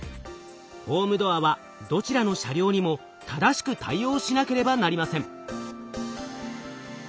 ホームドアはどちらの車両にも正しく対応しなければなりません。